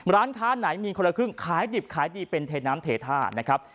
ร้านค้าไหนมีคนละครึ่งขายดิบขายดีเป็นเทน้ำเทท่านะครับ